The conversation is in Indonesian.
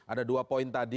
ada dua poin tadi